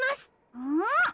うん！